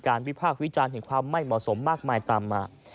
วิพากษ์วิจารณ์แห่งความไม่เหมาะสมมากมายตามมา